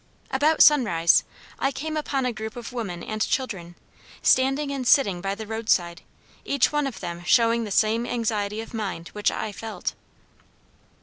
About sunrise I came upon a group of women and children, standing and sitting by the road side, each one of them showing the same anxiety of mind which I felt.